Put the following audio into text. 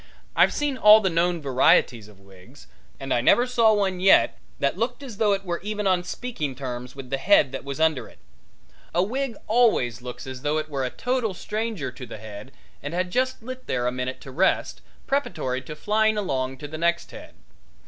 I've seen all the known varieties of wigs, and I never saw one yet that looked as though it were even on speaking terms with the head that was under it. A wig always looks as though it were a total stranger to the head and had just lit there a minute to rest, preparatory to flying along to the next head.